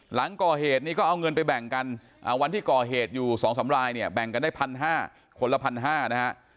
หลังก่อเหตุนี้ก็เอาเงินไปแบ่งกันวันที่ก่อเหตุอยู่สองสำรายเนี่ยแบ่งกันได้พันห้าคนละพันห้านะครับ